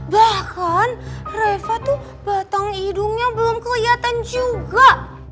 bahkan reva tuh batong hidungnya belum kelihatan juga